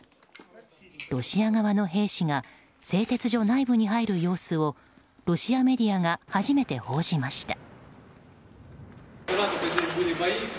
ロシア側の兵士が製鉄所内部に入る様子をロシアメディアが初めて報じました。